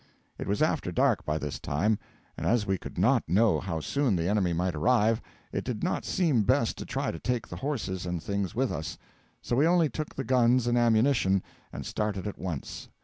It was after dark by this time, and as we could not know how soon the enemy might arrive, it did not seem best to try to take the horses and things with us; so we only took the guns and ammunition, and started at once.